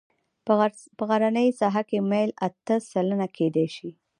په غرنۍ ساحه کې میل اته سلنه کیدی شي